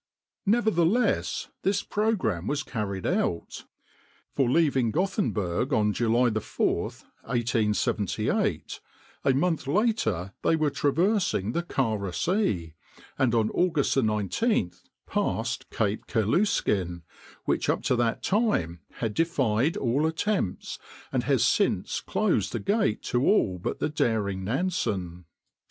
Nevertheless, this program was carried out; for leaving Gothenberg on July 4, 1878, a month later they were traversing the Kara Sea, and on August 19 passed Cape Chelyuskin, which, up to that time, had defied all attempts and has since closed the gate to all but the daring Nansen.